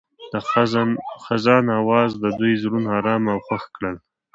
د خزان اواز د دوی زړونه ارامه او خوښ کړل.